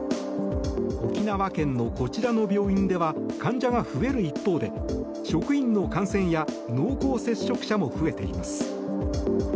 沖縄県のこちらの病院では患者が増える一方で職員の感染や濃厚接触者も増えています。